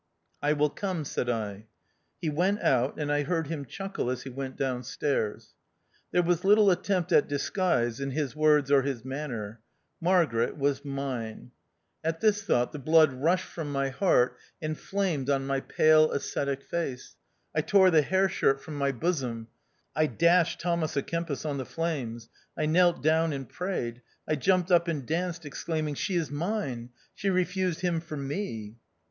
"I will come," said I. He went out, and I heard him chuckle as he went down stairs. There was little attempt at disguise in his words or his manner. Margaret was mine! At this thought the blood rushed from my 92 THE OUTCAST. heart and flamed on my pale ascetic face. I tore the hair shirt from my bosom. I dashed Thomas a Kempis on the flames. I knelt down and prayed. I jumped up and danced, exclaiming, " She is mine ! She refused him for me